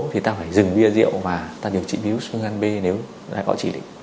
thì ta phải dừng bia rượu mà ta điều trị virus virus gan b nếu đã có chỉ định